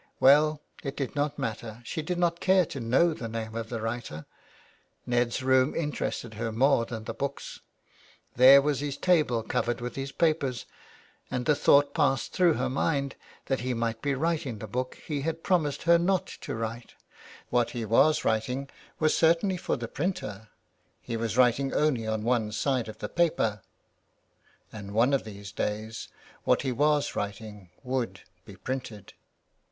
Well, it did not matter, she did not care to know the name of the writer — Ned's room interested her more than the books. There was his table covered with his papers ; and the thought passed through her mind that he might be writing the book he had promised her not to write. What he was writing was certainly for the printer — he was writing only on one side of the paper — and one of these days what he was writing would be printed.